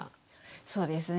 そうですね。